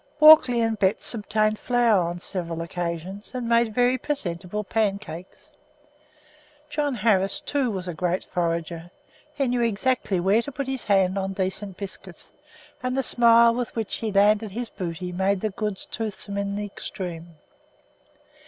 Walkley and Betts obtained flour on several occasions, and made very presentable pancakes. John Harris, too, was a great forager he knew exactly where to put his hand on decent biscuits, and the smile with which he landed his booty made the goods toothsome in the extreme.